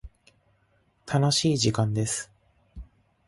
楽しい時間です。